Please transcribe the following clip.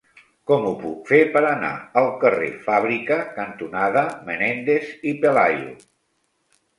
Com ho puc fer per anar al carrer Fàbrica cantonada Menéndez y Pelayo?